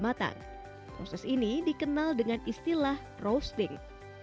matang proses ini dikenal dengan istilah roasting